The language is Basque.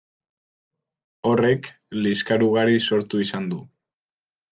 Horrek liskar ugari sortu izan du.